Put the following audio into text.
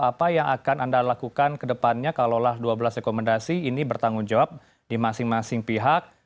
apa yang akan anda lakukan ke depannya kalau lah dua belas rekomendasi ini bertanggung jawab di masing masing pihak